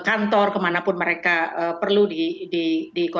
kantor kemanapun mereka perlu di